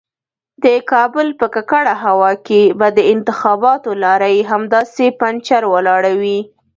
د کابل په ککړه هوا کې به د انتخاباتو لارۍ همداسې پنجر ولاړه وي.